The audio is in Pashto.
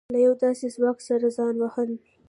له يوه داسې ځواک سره ځان وهل.